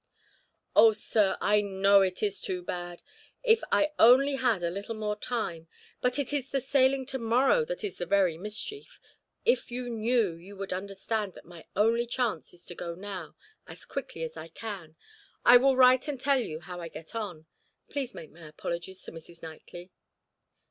"Oh, sir, I know it is too bad if I only had a little more time but it is the sailing to morrow that is the very mischief if you knew, you would understand that my only chance is to go now, as quickly as I can. I will write and tell you how I get on. Please make my apologies to Mrs. Knightley."